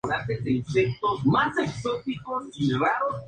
La junta recomendó el "Springfield No.